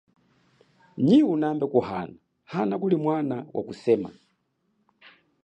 Nyi unambe kuhana hana kulimwana wakusema.